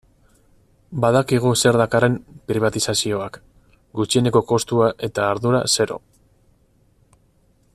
Badakigu zer dakarren pribatizazioak, gutxieneko kostua eta ardura zero.